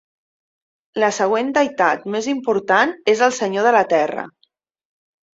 La següent deïtat més important és el Senyor de la Terra.